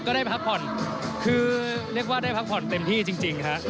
ได้ไปพักผ่อนคือเรียกว่าได้พักผ่อนเต็มที่จริงฮะ